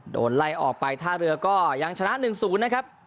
โดนไล่ออกไปท่าเรือก็ยังชนะ๑๐นะครับ